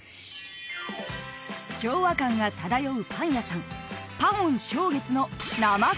［昭和感が漂うパン屋さん］